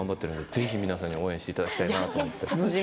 ぜひ皆さんに応援していただきたいなと。